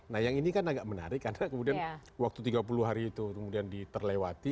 nah yang ini kan agak menarik karena kemudian waktu tiga puluh hari itu kemudian diterlewati